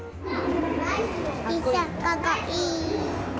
電車かっこいい。